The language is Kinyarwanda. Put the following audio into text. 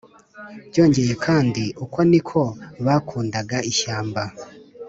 byongeye kandi, uko niko bakundaga ishyamba,